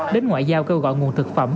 đến ngoại giao kêu gọi nguồn thực phẩm